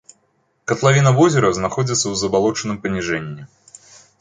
Катлавіна возера знаходзіцца ў забалочаным паніжэнні.